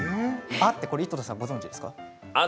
井戸田さん、ご存じですか？